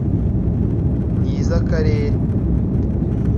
n’iz’akarere